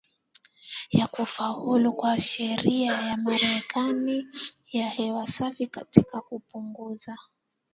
ya kufaulu kwa Sheria ya Marekani ya Hewa Safi katika kupunguza